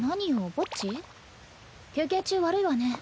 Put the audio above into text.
ぼっち？休憩中悪いわね。